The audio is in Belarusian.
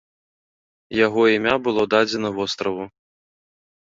Яго імя было дадзена востраву.